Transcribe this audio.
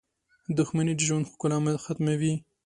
• دښمني د ژوند ښکلا ختموي.